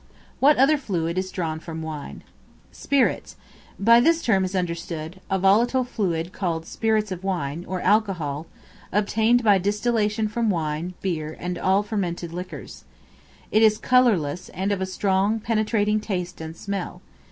What other fluid is drawn from Wine? Spirits; by this term is understood, a volatile fluid called spirits of wine, or alcohol, obtained by distillation from wine, beer, and all fermented liquors. It is colorless, and of a strong penetrating taste and smell.